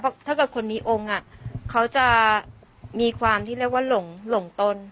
เพราะถ้าเกิดคนมีองค์เขาจะมีความที่เรียกว่าหลงตน